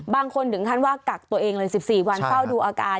ถึงขั้นว่ากักตัวเองเลย๑๔วันเฝ้าดูอาการ